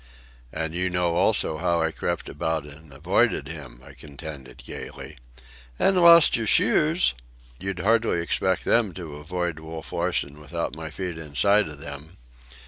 "And you know also how I crept about and avoided him," I contended gaily. "And lost your shoes." "You'd hardly expect them to avoid Wolf Larsen without my feet inside of them."